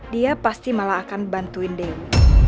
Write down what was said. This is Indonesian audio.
dia pasti malah akan bantuin dewi